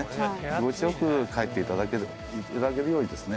気持ちよく帰っていただけるようにですね